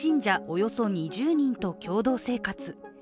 およそ２０人と共同生活。